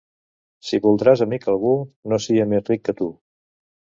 Si voldràs amic algú, no sia més ric que tu.